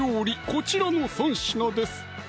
こちらの３品です